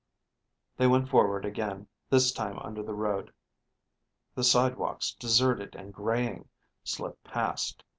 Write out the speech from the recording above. They went forward again, this time under the road. The sidewalks, deserted and graying, slipped past.